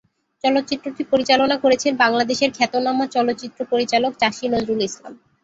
চলচ্চিত্রটি পরিচালনা করেছেন বাংলাদেশের খ্যাতনামা চলচ্চিত্র পরিচালক চাষী নজরুল ইসলাম।